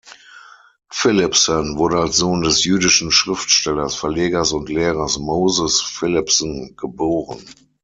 Philippson wurde als Sohn des jüdischen Schriftstellers, Verlegers und Lehrers Moses Philippson geboren.